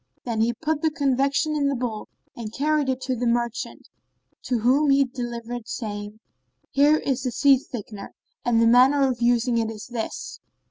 Then he put the confection in the bowl and carried it to the merchant, to whom he delivered it, saying, "Here is the seed thickener, and the manner of using it is this.